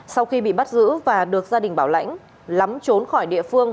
sau khi bị bắt giữ và được gia đình bảo lãnh lắm trốn khỏi địa phương